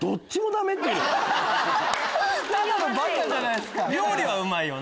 ただのバカじゃないっすか！